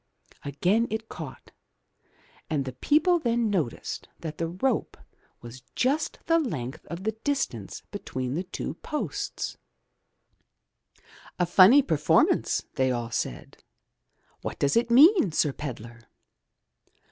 Again it caught, and the people then noticed that the rope was just the length of the distance between the two posts. 254 THROUGH FAIRY HALLS "A funny performance/' they all said. *'What does it mean, sir pedlar?